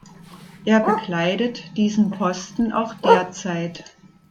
Er bekleidet diesen Posten auch derzeit.